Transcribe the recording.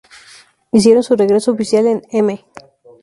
Hicieron su regreso oficial en M!